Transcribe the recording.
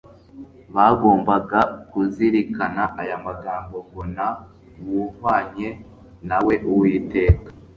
bagombaga kuzirikana aya magambo ngo Nta wuhwanye nawe Uwiteka